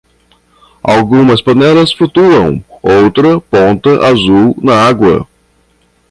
Algumas panelas flutuam, outra ponta azul na água.